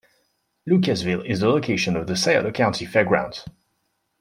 Lucasville is the location of the Scioto County Fairgrounds.